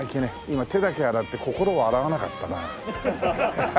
今手だけ洗って心を洗わなかったな。